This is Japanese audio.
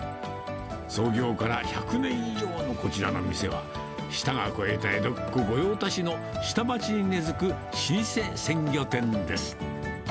創業から１００年以上のこちらの店は、舌が肥えた江戸っ子御用達の下町に根づく老舗鮮魚店です。